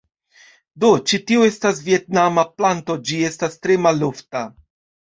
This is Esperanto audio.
Do, ĉi tio estas vjetnama planto ĝi estas tre malofta